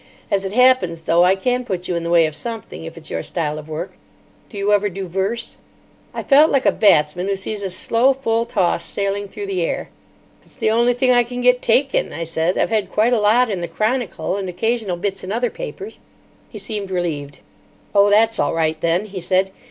As it happens, though, I can put you in the way of something, if it's your style of work. Do you ever do verse?" I felt like a batsman who sees a slow full toss sailing through the air. "It's the only thing I can get taken," I said. "I've had quite a lot in the Chronicle and occasional bits in other papers." He seemed relieved. "Oh, that's all right, then," he said.